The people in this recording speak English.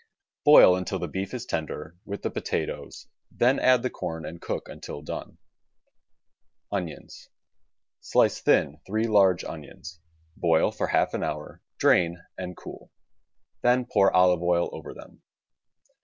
Boil until the beef is tender, with the potatoes, then add the corn and cook until done. Onions — Slice thin three large onions — boil for half an hour, drain and cool. Then pour olive oil over them.